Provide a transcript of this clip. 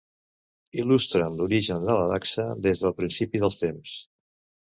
Il·lustren l'origen de la dacsa des del principi dels temps.